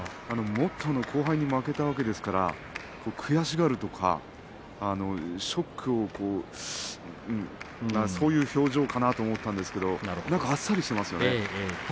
後輩に負けたわけですから悔しがるとかショックとかそういう表情かなと思ったんですが、あっさりしていましたね。